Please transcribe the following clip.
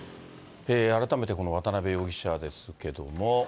改めてこの渡辺容疑者ですけれども。